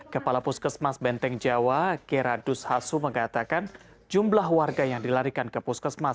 kepala puskesmas benteng jawa keradus hasu mengatakan jumlah warga yang dilarikan ke puskesmas